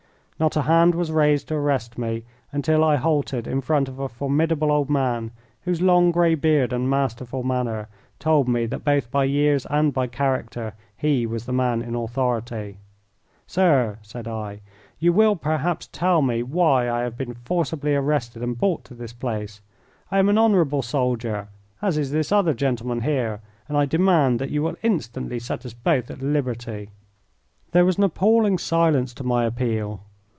Not a hand was raised to arrest me until I halted in front of a formidable old man, whose long grey beard and masterful manner told me that both by years and by character he was the man in authority. "Sir," said I, "you will, perhaps, tell me why I have been forcibly arrested and brought to this place. I am an honourable soldier, as is this other gentleman here, and I demand that you will instantly set us both at liberty." There was an appalling silence to my appeal.